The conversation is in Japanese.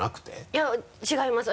いや違います